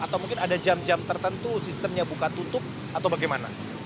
atau mungkin ada jam jam tertentu sistemnya buka tutup atau bagaimana